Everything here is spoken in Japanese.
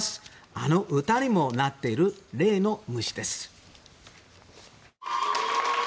あの歌にもなっている例の虫です。